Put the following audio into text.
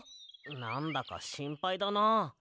なんだかしんぱいだな。